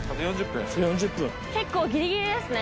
結構ギリギリですね。